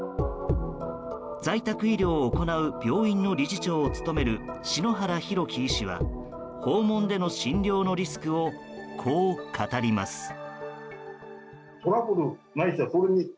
在宅医療を行う病院の理事長を務める篠原裕希医師は訪問での診療のリスクをこう語ります。